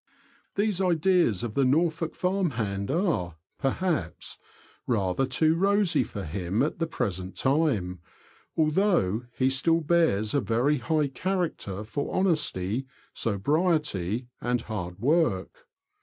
These ideas of the Norfolk farm hand are, perhaps, rather too rosy for him at the present time, although he still bears a very high character for honesty, sobriety, and hard work.